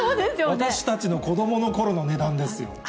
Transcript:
私たちの子どものころの値段ですよ。